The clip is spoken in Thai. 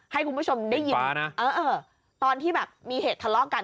ให้คุณผู้ชมได้ยินตอนที่แบบมีเหตุทะเลาะกัน